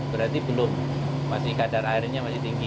berarti belum masih kadar airnya masih tinggi